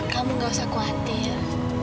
kamu gak usah khawatir